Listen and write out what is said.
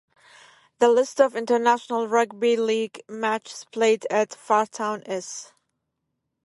The list of international rugby league matches played at Fartown is.